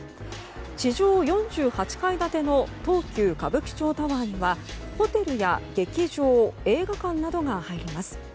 地上４８階建ての東急歌舞伎町タワーにはホテルや劇場、映画館などが入ります。